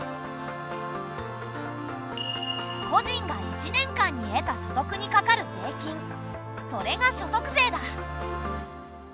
個人が１年間に得た所得にかかる税金それが所得税だ。